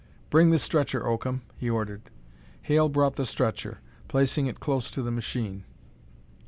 "Bring the stretcher, Oakham," he ordered. Hale brought the stretcher, placing it close to the machine.